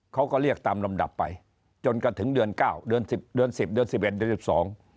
เขาก็เรียกตามลำดับไปจนกระถึงเดือน๙เดือน๑๐เดือน๑๑เดือน๑๒